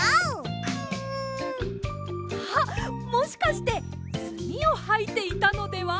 あっもしかしてすみをはいていたのでは？